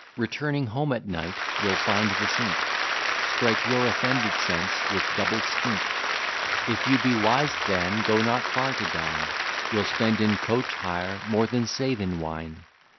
Returning home at night, you'll find the sink Strike your offended sense with double stink. If you be wise, then, go not far to dine: You'll spend in coach hire more than save in wine.